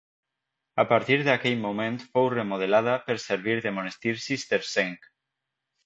A partir d’aquell moment fou remodelada per servir de monestir cistercenc.